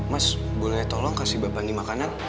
mas boleh tolong kasih bapak di makanan